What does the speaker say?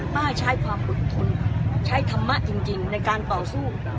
ป้าใช้ความอดทนใช้ธรรมะจริงในการต่อสู้